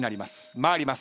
参ります。